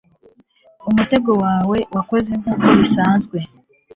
umutego wawe wakoze nkuko bisanzwe